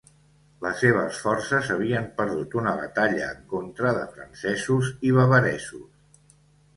Les seves forces havien perdut una batalla en contra de francesos i bavaresos.